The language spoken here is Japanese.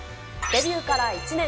デビューから１年。